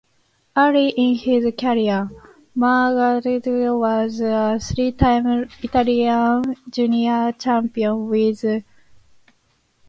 Early in his career, Margaglio was a three-time Italian junior champion with Claudia Frigoli.